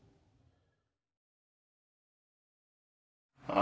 あ。